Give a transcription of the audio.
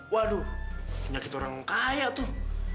waduh penyakit orang kaya tuh